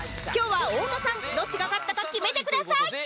今日は太田さんどっちが勝ったか決めてください！